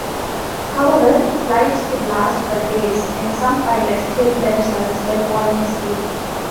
However, flights could last for days and some pilots killed themselves by falling asleep.